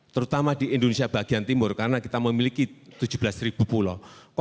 terutama di indonesia bagian timur karena kita memiliki tujuh belas pulau